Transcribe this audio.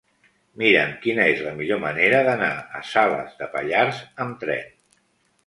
Mira'm quina és la millor manera d'anar a Salàs de Pallars amb tren.